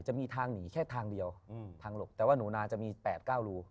จะมีทางหนีแค่ทางเดียวทางหลบแต่ว่าหนูนาจะมี๘๙รู